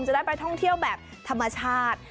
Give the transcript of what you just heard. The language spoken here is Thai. จะได้ไปท่องเที่ยวแบบธรรมชาติ